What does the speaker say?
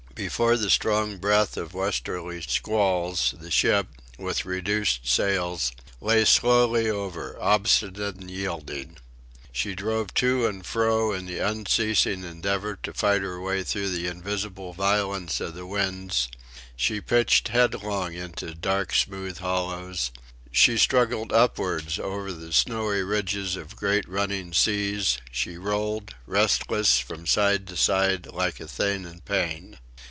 Before the strong breath of westerly squalls the ship, with reduced sail, lay slowly over, obstinate and yielding. She drove to and fro in the unceasing endeavour to fight her way through the invisible violence of the winds: she pitched headlong into dark smooth hollows; she struggled upwards over the snowy ridges of great running seas; she rolled, restless, from side to side, like a thing in pain.